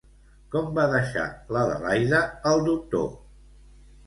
Com va deixar l'Adelaida el doctor.